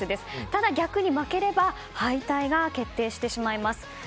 ただ、逆に負ければ敗退が決定してしまいます。